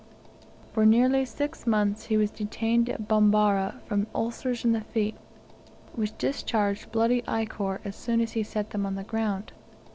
For nearly six months he was detained at Bambarre from ulcers in the feet, which discharged bloody ichor as soon as he set them on the ground.